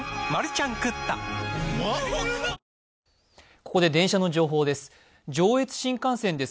ここで電車の情報です。